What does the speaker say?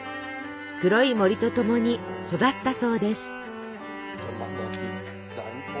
黒い森とともに育ったそうです。